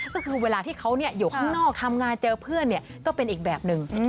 ก็คือเวลาที่เขาอยู่ข้างนอกทำงานเจอเพื่อนก็เป็นอีกแบบหนึ่ง